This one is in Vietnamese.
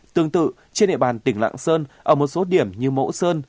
tương tự trên địa bàn tỉnh lạng sơn ở một số điểm như mẫu sơn